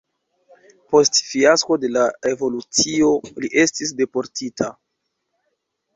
Post fiasko de la revolucio li estis deportita.